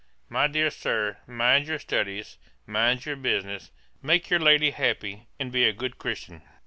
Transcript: My dear Sir, mind your studies, mind your business, make your lady happy, and be a good Christian.